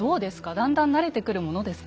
だんだん慣れてくるものですか？